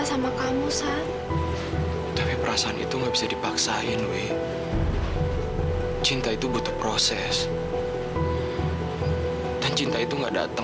sampai jumpa di video selanjutnya